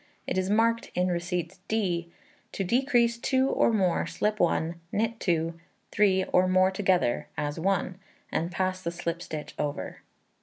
It is marked in receipts d. To decrease 2 or more, slip 1, knit 2, 3, or more together, as one, and pass the slip stitch over.